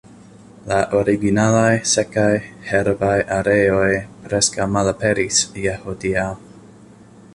La originalaj sekaj, herbaj areoj preskaŭ malaperis je hodiaŭ.